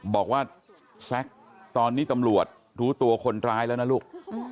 บอกว่าแซ็กตอนนี้ตำรวจรู้ตัวคนร้ายแล้วนะลูก